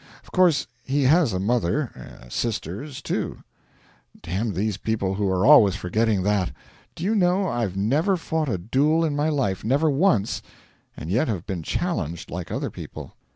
Of course, he has a mother sisters, too. Damn these people who are always forgetting that! Do you know, I've never fought a duel in my life never once and yet have been challenged, like other people.